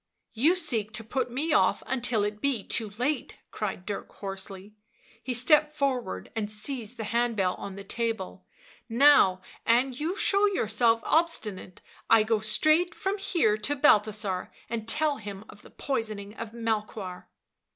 You seek to put me off until it be too late," cried Dirk hoarsely — he stepped forward and seized the hand bell on the table —" now an' you show yourself obstinate, I go straight from here to Balthasar and tell him of the poisoning of Melchoir."